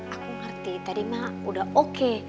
aku ngerti tadi mah udah oke